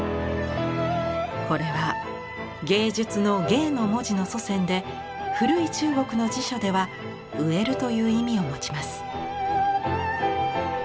これは芸術の「藝」の文字の祖先で古い中国の辞書では「植える」という意味を持ちます。